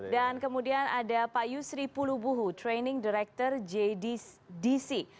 dan kemudian ada pak yusri pulubuhu training director jddc